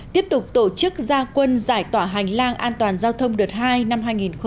tiếp tục tổ chức gia quân giải tỏa hành lang an toàn giao thông đợt hai năm hai nghìn hai mươi